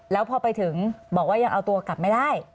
แล้วพอไปถึงบอกว่ายังเอาตัวกลับไม่ได้